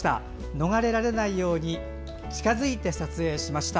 逃げられないように近づいて撮影しました。